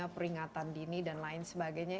peringatan dini dan lain sebagainya